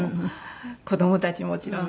子供たちもちろん。